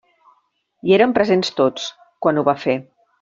Hi eren presents tots, quan ho va fer.